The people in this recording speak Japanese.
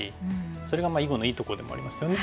それが囲碁のいいところでもありますよね。